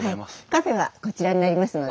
カフェはこちらになりますので。